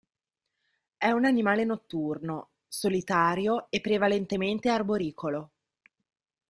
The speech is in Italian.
È un animale notturno, solitario e prevalentemente arboricolo.